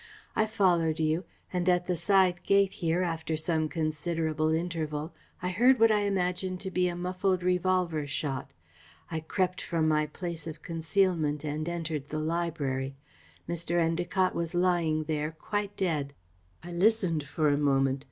I followed you and at the side gate here, after some considerable interval, I heard what I imagined to be a muffled revolver shot. I crept from my place of concealment and entered the library. Mr. Endacott was lying there, quite dead. I listened for a moment.